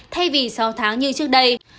thay vì sáu tháng như trước đây